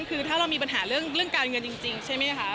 คือถ้าเรามีปัญหาเรื่องการเงินจริงใช่ไหมคะ